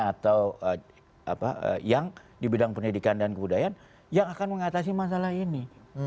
atau yang di bidang pendidikan dan kebudayaan yang akan mengatasi masalah ini